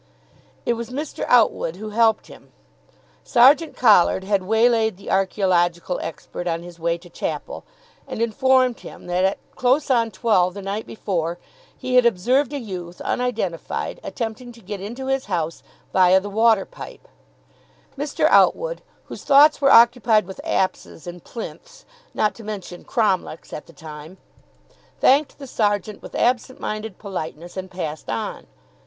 It was Mr. Outwood who helped him. Sergeant Collard had waylaid the archaeological expert on his way to chapel, and informed him that at close on twelve the night before he had observed a youth, unidentified, attempting to get into his house via the water pipe. Mr. Outwood, whose thoughts were occupied with apses and plinths, not to mention cromlechs, at the time, thanked the sergeant with absent minded politeness and passed on.